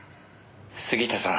「杉下さん」